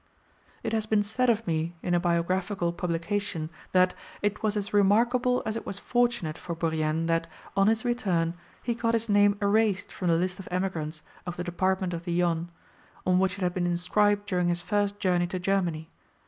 It has been said of me, in a biographical publication, that "it was as remarkable as it was fortunate for Bourrienne that, on his return, he got his name erased from the list of emigrants of the department of the Yonne, on which it had been inscribed during his first journey to Germany.